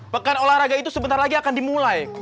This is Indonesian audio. pekan olahraga itu sebentar lagi akan dimulai